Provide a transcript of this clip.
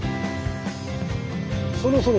そろそろ？